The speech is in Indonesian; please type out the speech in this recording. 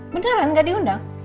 beneran nggak diundang